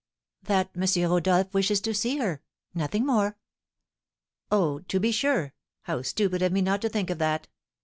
"That M. Rodolph wishes to see her, nothing more." "Oh, to be sure! How stupid of me not to think of that!